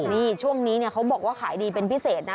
นี่ช่วงนี้เนี่ยเขาบอกว่าขายดีเป็นพิเศษนะ